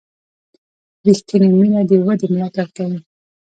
ریښتینې مینه د ودې ملاتړ کوي.